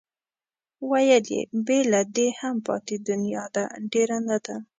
ویل یې بې له دې هم پاتې دنیا ده ډېره نه ده.